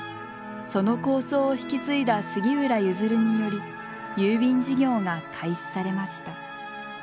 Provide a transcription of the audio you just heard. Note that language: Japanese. その構想を引き継いだ杉浦譲により郵便事業が開始されました。